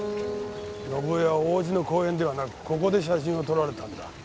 伸枝は王子の公園ではなくここで写真を撮られたんだ。